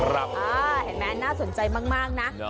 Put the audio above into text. เห็นไหมน่าสนใจมากนะ